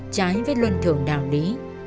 trái với luân thường đạo lý